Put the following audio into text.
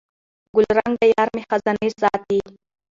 ګلرنګه یارمي خزانې ساتي